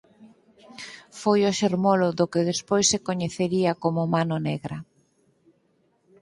Foi o xermolo do que despois se coñecería como Mano Negra.